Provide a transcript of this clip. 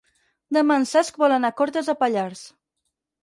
Demà en Cesc vol anar a Cortes de Pallars.